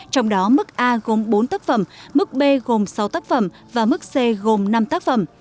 trong đó mức a gồm bốn tác phẩm mức b gồm sáu tác phẩm và mức c gồm năm tác phẩm